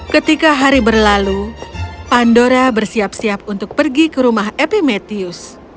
ketika hari berlalu pandora bersiap siap untuk pergi ke rumah epimetheus